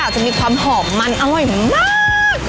จะมีความหอมมันอร่อยมาก